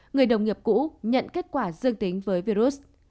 người đồng nghiệp cũ nhận kết quả dương tính với virus